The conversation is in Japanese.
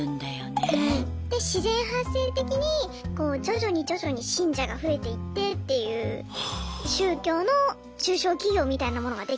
で自然発生的にこう徐々に徐々に信者が増えていってっていう宗教の中小企業みたいなものができたっていうことですね。